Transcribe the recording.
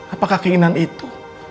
apakah keinginan itu